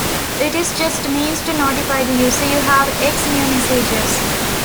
It is just a means to notify the user "you have X new messages".